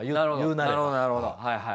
なるほどなるほど。